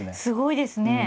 すごいですね。